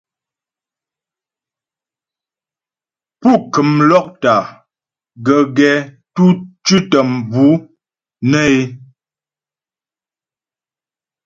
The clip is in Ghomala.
Pú kəm lɔ́kta gəgɛ tʉ̌tə mbʉ̌ nə́ é.